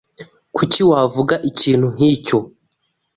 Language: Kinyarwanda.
Kuki wavuga ikintu nkicyo?